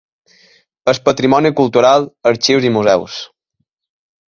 El patrimoni cultural, arxius i museus.